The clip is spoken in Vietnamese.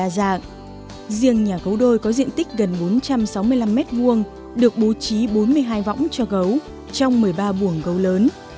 riêng nhà gấu đôi có diện tích gần bốn trăm sáu mươi năm m hai được bố trí bốn mươi hai võng cho gấu trong một mươi ba buồng gấu lớn